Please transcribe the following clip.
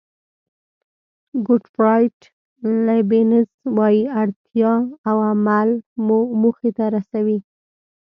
ګوټفراید لیبنېز وایي اړتیا او عمل مو موخې ته رسوي.